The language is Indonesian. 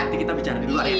nanti kita bicara dulu